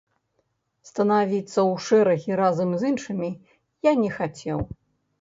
Станавіцца ў шэрагі разам з іншымі я не хацеў.